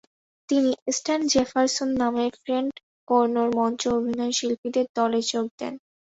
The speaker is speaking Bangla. তিনি "স্ট্যান জেফারসন" নামে ফ্রেড কার্নোর মঞ্চ অভিনয়শিল্পীদের দলে যোগ দেন।